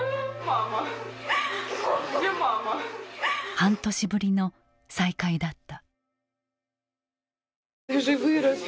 半年ぶりの再会だった。